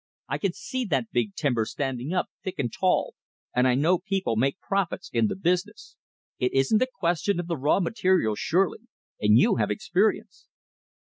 I can see that big timber standing up thick and tall, and I know people make profits in the business. It isn't a question of the raw material surely, and you have experience."